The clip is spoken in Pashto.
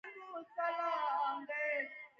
د سپورت سامان له سیالکوټ راځي؟